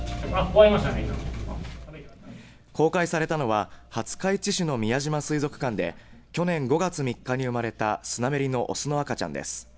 公開されたのは廿日市の宮島水族館で去年５月３日に生まれたスナメリの雄の赤ちゃんです。